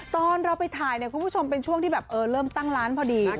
ตอนเราไปถ่ายเนี่ยคุณผู้ชมเป็นช่วงที่แบบเริ่มตั้งร้านพอดี